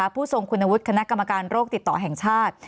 ผู้ทรงคุณวุฒิคณะกรรมการโรคติดต่อแห่งชาติ